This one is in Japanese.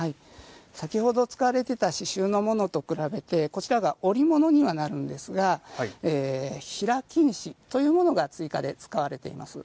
先ほど使われていた刺しゅうのものと比べてこちらが織物にはなるんですが平金糸というものが追加で使われています。